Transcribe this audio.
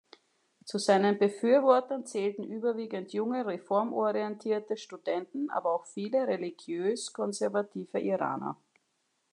Zu seinen Befürwortern zählten überwiegend junge, reformorientierte Studenten, aber auch viele religiös-konservative Iraner.